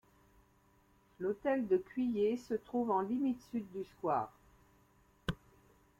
L’Hôtel de Cuillé se trouve en limite sud du square.